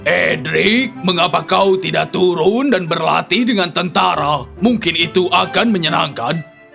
edrik mengapa kau tidak turun dan berlatih dengan tentara mungkin itu akan menyenangkan